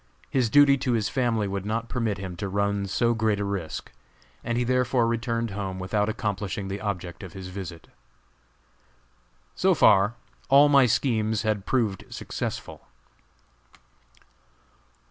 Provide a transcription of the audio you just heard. His duty to his family would not permit him to run so great a risk, and he therefore returned home without accomplishing the object of his visit. So far, all my schemes had proved successful.